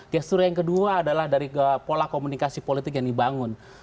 gestur yang kedua adalah dari pola komunikasi politik yang dibangun